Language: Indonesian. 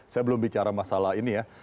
saya belum bicara masalah ini ya